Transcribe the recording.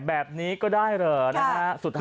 แบบนี้ก็ได้เหรอนะฮะสุดท้าย